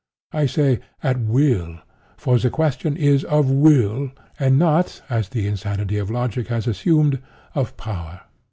I say "at will;" for the question is of will, and not, as the insanity of logic has assumed, of power.